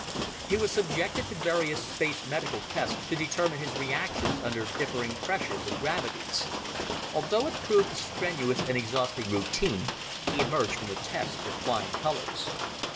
He was subjected to various space medical tests to determine his reactions under differing pressures and gravities. Although it proved a strenuous and exhausting routine, he emerged from the tests with flying colors.